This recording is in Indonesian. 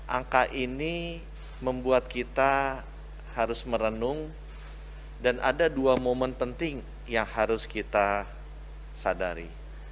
angka ini membuat kita harus merenung dan ada dua momen penting yang harus kita sadari